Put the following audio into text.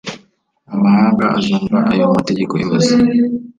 amahanga azumva ayo mategeko yose